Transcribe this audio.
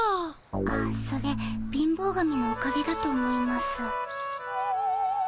あそれ貧乏神のおかげだと思います。